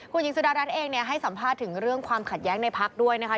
คุณหญิงสุดารัฐเองให้สัมภาษณ์ถึงเรื่องความขัดแย้งในพักด้วยนะคะ